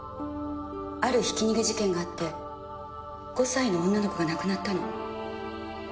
あるひき逃げ事件があって５歳の女の子が亡くなったの。